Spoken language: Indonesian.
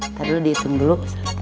ntar dulu dihitung dulu